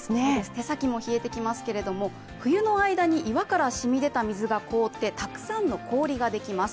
手先も冷えてきますけれども、冬の間に岩から染み出た水が凍って、たくさんの氷ができます。